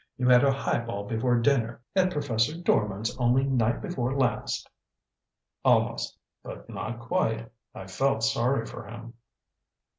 You had a highball before dinner at Professor Dorman's only night before last." Almost but not quite I felt sorry for him.